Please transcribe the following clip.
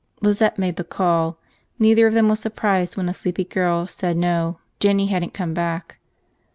Lizette made the call. Neither of them was surprised when a sleepy girl said no, Jinny hadn't come back.